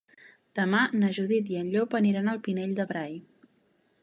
Demà na Judit i en Llop aniran al Pinell de Brai.